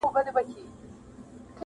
زما یې د کوچۍ حیا له زوره ژبه ګونګه کړه٫